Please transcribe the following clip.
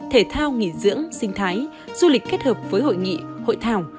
thể thao nghỉ dưỡng sinh thái du lịch kết hợp với hội nghị hội thảo